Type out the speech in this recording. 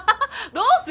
どうする？